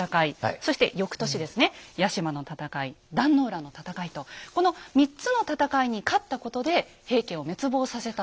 そして翌年ですね屋島の戦い壇の浦の戦いとこの３つの戦いに勝ったことで平家を滅亡させた。